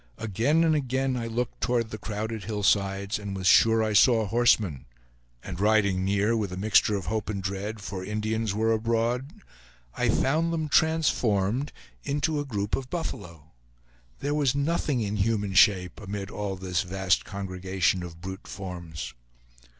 Again and again I looked toward the crowded hillsides, and was sure I saw horsemen; and riding near, with a mixture of hope and dread, for Indians were abroad, I found them transformed into a group of buffalo. There was nothing in human shape amid all this vast congregation of brute forms.